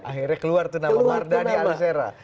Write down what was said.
akhirnya keluar tuh nama marda di alisera